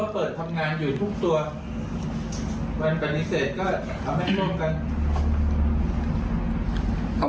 พอทางอีกสองก็เปิดทำงานอยู่ทุกตัว